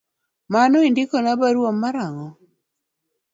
Mano indikona barua mar ang’o?